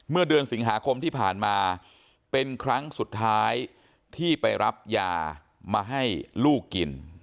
เมื่อเดือนสิงหาคมที่ผ่านมาเป็นครั้งสุดท้ายที่ไปรับยามาให้ลูกกิน